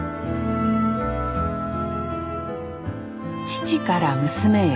父から娘へ。